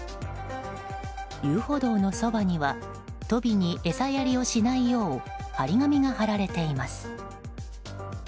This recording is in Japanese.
遊歩道のそばにはトビに餌やりをしないよう貼り紙が貼られています。